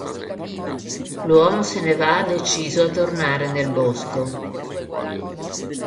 L'uomo se ne va deciso a tornare nel bosco.